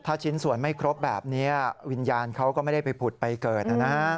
ถ้าชิ้นส่วนไม่ครบแบบนี้วิญญาณเขาก็ไม่ได้ไปผุดไปเกิดนะฮะ